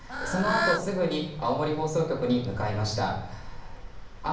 そのあとすぐに